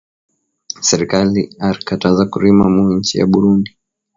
Serkali arikataza kurima mu inchi ya burundi